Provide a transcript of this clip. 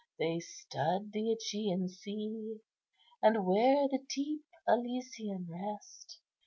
They stud the Ægean sea; And where the deep Elysian rest?